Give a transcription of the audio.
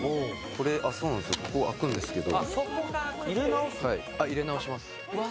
これここ開くんですけど。